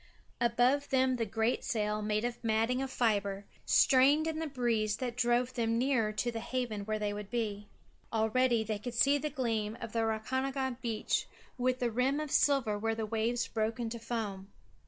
Above them the great sail made of matting of fibre, strained in the breeze that drove them nearer to the haven where they would be. Already they could see the gleam of the Rakahanga beach with the rim of silver where the waves broke into foam.